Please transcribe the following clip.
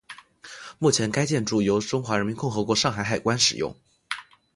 目前该建筑由中华人民共和国上海海关使用。